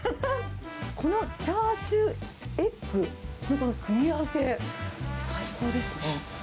このチャーシューエッグのこの組み合わせ、最高ですね。